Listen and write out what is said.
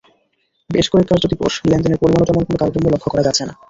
বেশ কয়েক কার্যদিবস লেনদেনের পরিমাণেও তেমন কোনো তারতম্য লক্ষ করা যাচ্ছে না।